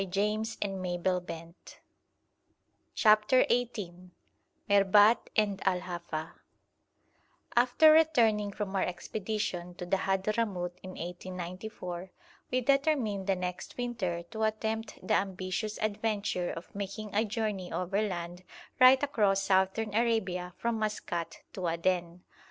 ] DHOFAR AND THE GARA MOUNTAINS CHAPTER XVIII MERBAT AND AL HAFA After returning from our expedition to the Hadhramout in 1894 we determined the next winter to attempt the ambitious adventure of making a journey overland right across Southern Arabia from Maskat to Aden.